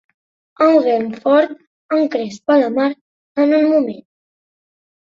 El vent fort encrespà la mar en un moment.